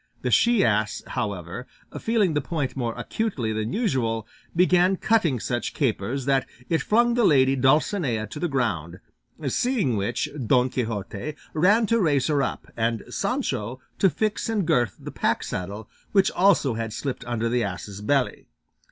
The she ass, however, feeling the point more acutely than usual, began cutting such capers, that it flung the lady Dulcinea to the ground; seeing which, Don Quixote ran to raise her up, and Sancho to fix and girth the pack saddle, which also had slipped under the ass's belly.